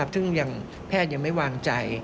ซึ่งแพทย์ยังไม่วางใจ